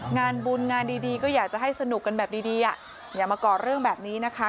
งานบุญงานดีก็อยากจะให้สนุกกันแบบดีอย่ามาก่อเรื่องแบบนี้นะคะ